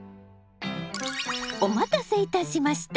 お待たせいたしました。